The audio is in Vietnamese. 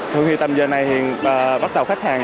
thưa huy tâm giờ này thì bắt đầu khách hàng